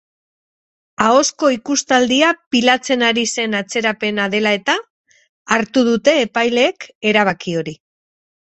Ahozko ikustaldia pilatzen ari zen atzerapena dela-eta hartu dute epaileek erabaki hori.